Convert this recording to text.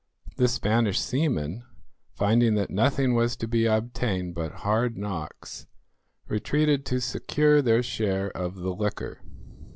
The Spanish seamen, finding that nothing was to be obtained but hard knocks, retreated to secure their share of the liquor.